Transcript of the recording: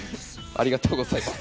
ありがとうございます。